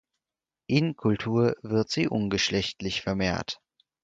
In Kultur wird sie ungeschlechtlich vermehrt.